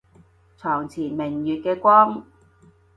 床前明月嘅光